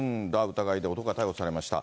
疑いで男が逮捕されました。